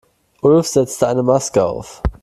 Ulf setzte eine Maske auf.